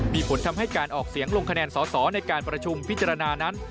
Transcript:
มีผลทำให้การออกเสียงลงคะแนนสอสอในการประชุมพิจารณานั้น